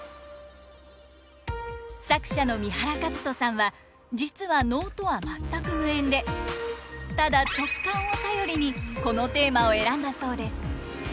作者の三原和人さんは実は能とは全く無縁でただ直感を頼りにこのテーマを選んだそうです。